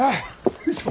よいしょ！